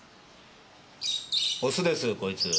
オスですこいつ。